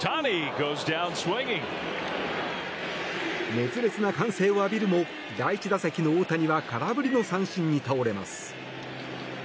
熱烈な歓声を浴びるも第１打席の大谷は空振りの三振に倒れます。